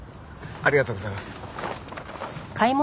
ありがとうございます。